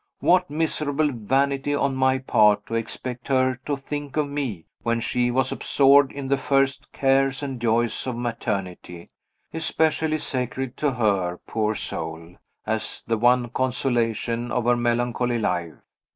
What miserable vanity on my part to expect her to think of me, when she was absorbed in the first cares and joys of maternity; especially sacred to her, poor soul, as the one consolation of her melancholy life!